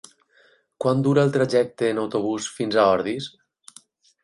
Quant dura el trajecte en autobús fins a Ordis?